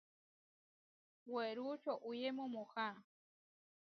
Werú čoʼwíe momohá.